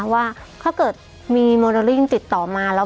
ว่าถ้าเกิดมีโมเดลลิ่งติดต่อมาแล้ว